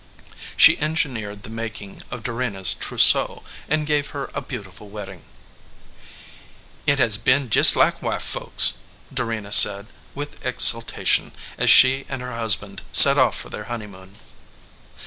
She engineered the making of Dorena s trousseau and gave her a beautiful wedding. "It has been just like white folks," Dorena said, with exultation, as she and her husband set off for their honeymoon.